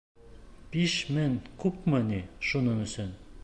Биш мең күпме ни шуның өсөн?